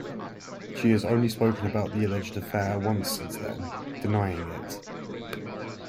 She has only spoken about the alleged affair once since then, denying it.